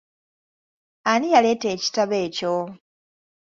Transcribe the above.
Ani yaleeta ekitabo ekyo?